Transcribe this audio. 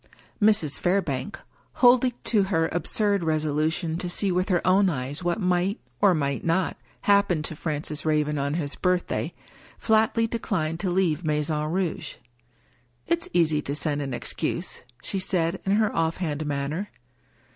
Mrs. Fairbank — holding to her absurd resolu tion to see with her own eyes what might, or might not, happen to Francis Raven on his birthday — ^flatly declined to leave Maison Rouge. " It's easy to send an excuse," she said, in her off hand manner.